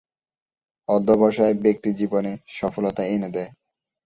অধ্যবসায় ব্যক্তিজীবনে সফলতা এনে দেয়।